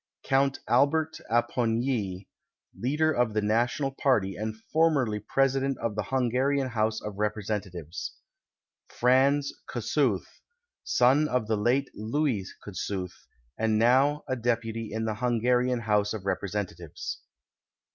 Count Albert Apponyi, Leader of the National Party and formerly President of the Hungarian House of Representatives. Franz Kossuth, son of the late Louis Kossuth, and now a deputy in the Hungarian House of Representatives.